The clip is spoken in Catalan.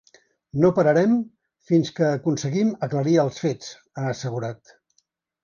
No pararem fins que aconseguim aclarir els fets, ha assegurat.